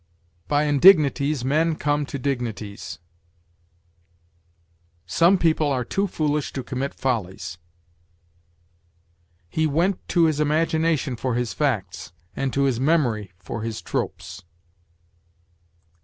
"By indignities men come to dignities." "Some people are too foolish to commit follies." "He went to his imagination for his facts, and to his memory for his tropes."